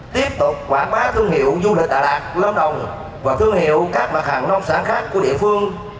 tiếp tục quảng bá thương hiệu du lịch đà lạt lâm đồng và thương hiệu các mặt hàng nông sản khác của địa phương